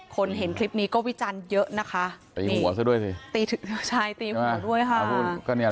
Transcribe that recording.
เห็นคลิปนี้ก็วิจารณ์เยอะนะคะตีหัวซะด้วยสิตีถึงชายตีหัวด้วยค่ะ